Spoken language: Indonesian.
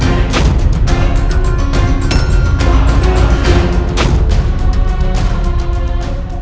memiliki unsur air